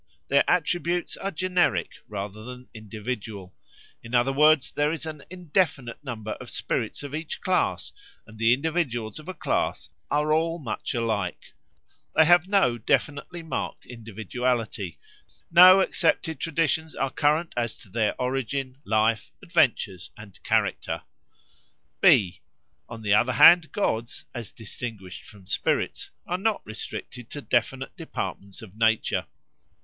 Their attributes are generic, rather than individual; in other words, there is an indefinite number of spirits of each class, and the individuals of a class are all much alike; they have no definitely marked individuality; no accepted traditions are current as to their origin, life, adventures, and character. (b) On the other hand gods, as distinguished from spirits, are not restricted to definite departments of nature.